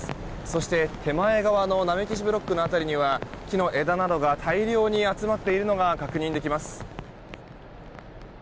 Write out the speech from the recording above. そして手前側の波消しブロックの辺りには木の枝などが大量に集まっているのが確認できます。